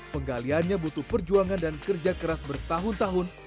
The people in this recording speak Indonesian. penggaliannya butuh perjuangan dan kerja keras bertahun tahun